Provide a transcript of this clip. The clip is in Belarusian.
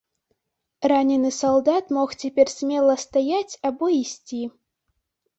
Ранены салдат мог цяпер смела стаяць або ісці.